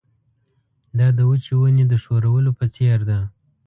دا د وچې ونې د ښورولو په څېر ده.